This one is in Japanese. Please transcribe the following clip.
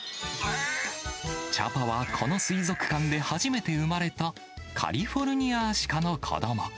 チャパはこの水族館で初めて生まれた、カリフォルニアアシカの子ども。